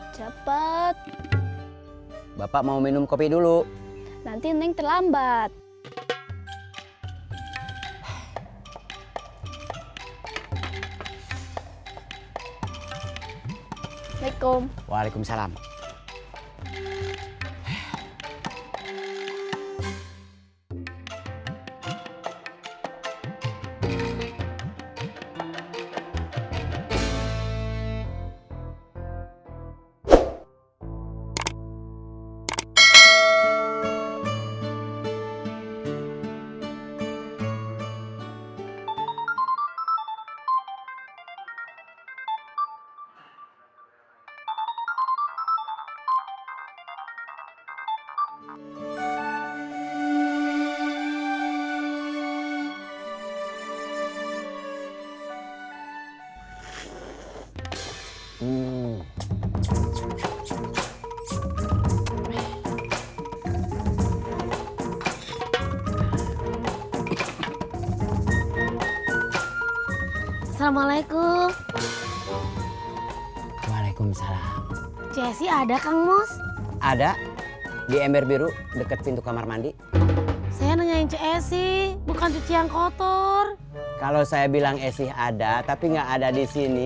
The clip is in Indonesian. jangan lupa like share dan subscribe channel ini